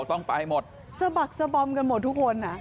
โอ้โหต้องไปหมดเซอร์บัคเซอร์บอมกันหมดทุกคนนะ